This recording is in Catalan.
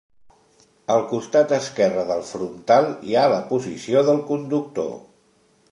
Al costat esquerre del frontal hi ha la posició del conductor.